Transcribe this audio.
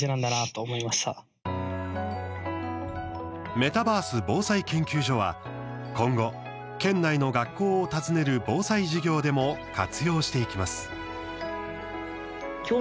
メタバース防災研究所は今後県内の学校を訪ねる防災授業でも活用していきます。